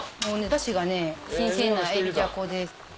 ダシがね新鮮なエビじゃこで。